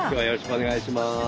お願いします。